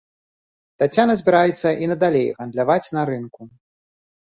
Таццяна збіраецца і надалей гандляваць на рынку.